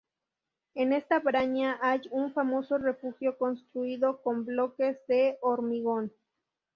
En esta braña hay un famoso refugio construido con bloques de hormigón.